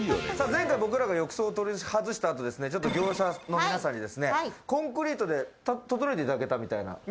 前回、僕らが浴槽を取り外したあと、業者の皆さんにコンクリートで整えていただけたみたいな。